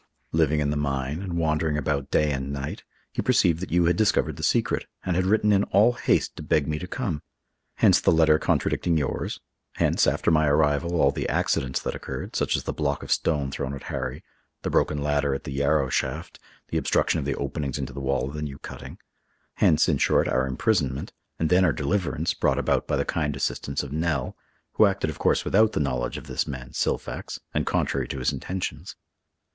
Living in the mine, and wandering about day and night, he perceived that you had discovered the secret, and had written in all haste to beg me to come. Hence the letter contradicting yours; hence, after my arrival, all the accidents that occurred, such as the block of stone thrown at Harry, the broken ladder at the Yarrow shaft, the obstruction of the openings into the wall of the new cutting; hence, in short, our imprisonment, and then our deliverance, brought about by the kind assistance of Nell, who acted of course without the knowledge of this man Silfax, and contrary to his intentions."